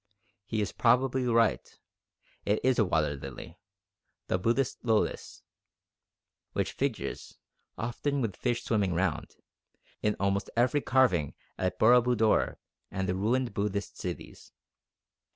He is probably right: it is a water lily the Buddhist lotus which figures, often with fish swimming round, in almost every carving at Boro Budor and the ruined Buddhist cities.